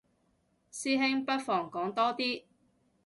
師兄不妨講多啲